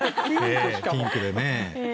ピンクでね。